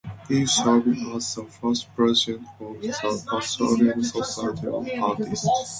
He served as the first president of the Pasadena Society of Artists.